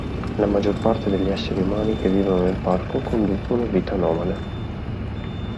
La maggior parte degli esseri umani che vivono nel parco conducono vita nomade.